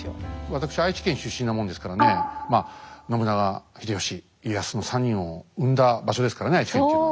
私愛知県出身なもんですからねまあ信長秀吉家康の３人を生んだ場所ですからね愛知県というのは。